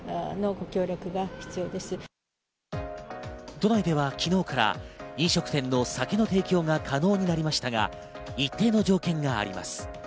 都内では昨日から飲食店の酒の提供が可能になりましたが、一定の条件があります。